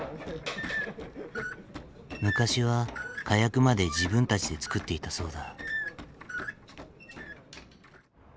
昔は火薬まで自分たちで作っていたそうだ。